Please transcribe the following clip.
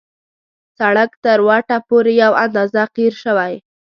سړک تر وټه پورې یو اندازه قیر شوی.